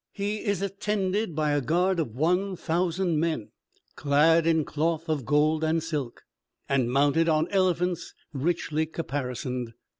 He is attended by a guard of one thousand men, clad in cloth of gold and silk, and mounted on elephants richly caparisoned.